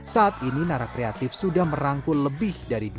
saat ini narak kreatif menjelaskan kelas yang sama di kelurahan gedong kramajati